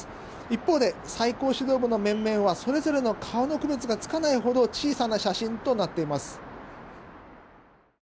一方で、最高指導部の面々はそれぞれの顔の区別がつかないほど小さな写真となっています。